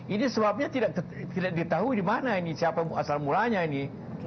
ini sebabnya tidak ditahu dimana ini siapa asal murahnya ini